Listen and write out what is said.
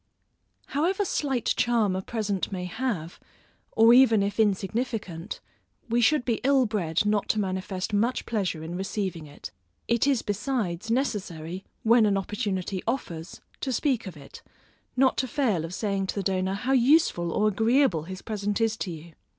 However slight charm a present may have, or if even insignificant, we should be ill bred not to manifest much pleasure in receiving it. It is besides, necessary, when an opportunity offers, to speak of it, not to fail of saying to the donor, how useful or agreeable his present is to you.